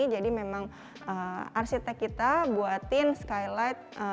jadi memang arsitek kita buatin skylight